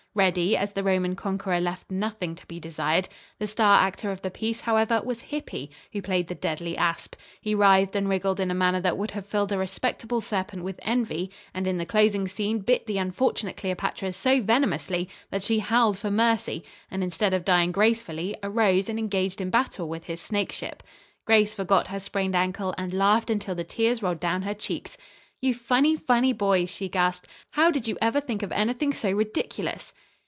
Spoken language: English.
Reddy, as the Roman conqueror left nothing to be desired. The star actor of the piece, however, was Hippy, who played the deadly asp. He writhed and wriggled in a manner that would have filled a respectable serpent with envy, and in the closing scene bit the unfortunate Cleopatra so venomously that she howled for mercy, and instead of dying gracefully, arose and engaged in battle with his snakeship. Grace forgot her sprained ankle and laughed until the tears rolled down her cheeks. "You funny, funny boys," she gasped, "how did you ever think of anything so ridiculous!"